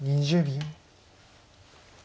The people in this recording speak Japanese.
２０秒。